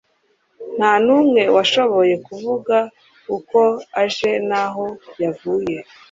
Nta n'umwe washoboye kuvuga uko aje n'aho yavuye.